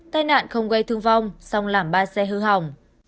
tai nạn không gây thương vong song làm ba xe hư hỏng